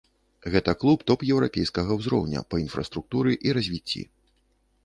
Гэта клуб топ-еўрапейскага ўзроўня па інфраструктуры і развіцці.